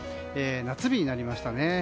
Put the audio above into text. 夏日になりましたね。